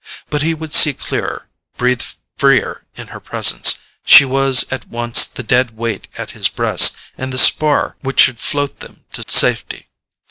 But he would see clearer, breathe freer in her presence: she was at once the dead weight at his breast and the spar which should float them to safety.